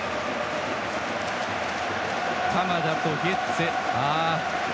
鎌田とゲッツェ。